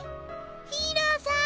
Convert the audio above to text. ヒーローさん